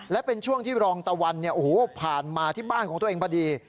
และเป็นช่วงที่รองตะวันผ่านมาที่บ้านของตัวเองพอดี